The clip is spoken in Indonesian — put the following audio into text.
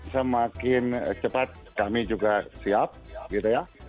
semakin cepat kami juga siap gitu ya